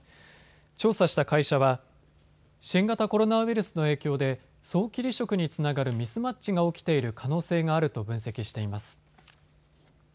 調査した会社は新型コロナウイルスの影響で早期離職につながるミスマッチが起きている可能性があると分析しています。